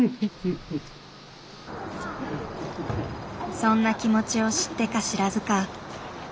そんな気持ちを知ってか知らずか。